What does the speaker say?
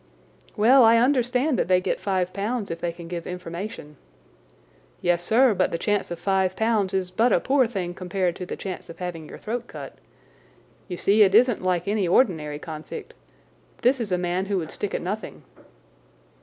"Well, I understand that they get five pounds if they can give information." "Yes, sir, but the chance of five pounds is but a poor thing compared to the chance of having your throat cut. You see, it isn't like any ordinary convict. This is a man that would stick at nothing."